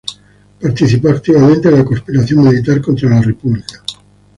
Participó activamente en la conspiración militar contra la República.